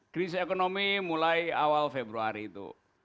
kris ekonomi mulai awal februari itu